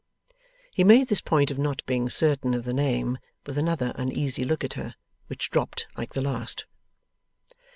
He made this point of not being certain of the name, with another uneasy look at her, which dropped like the last.